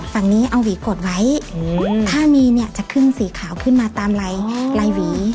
ฝั่งนี้เอาหวีกดไว้ถ้ามีเนี่ยจะขึ้นสีขาวขึ้นมาตามลายลายหวี